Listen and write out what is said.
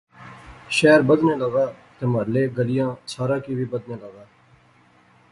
شہر بدھنے لغا تہ محلے گلیاں سارا کی وی بدھنے لغا